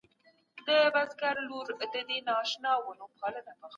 کارګران به تولیدي عوامل په کار اچوي.